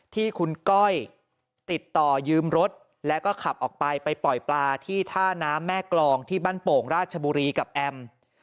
ที่คุณก้อยติดต่อยืมรถแล้วก็ขับออกไปไปปล่อยปลาที่ท่าน้ำแม่กรองที่บ้านโป่งราชบุรีกับแอม